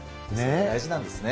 大事なんですね。